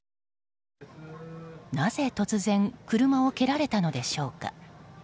なぜ突然、車を蹴られたのでしょうか。